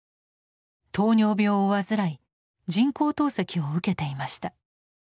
糖尿病を患い人工透析を受けていました。